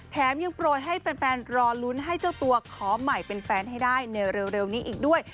แถมยังโปรยให้แฟนรอลุ้นให้เจ้าตัวขอใหม่เป็นแฟนให้ได้ในเร็วนี้อีกด้วย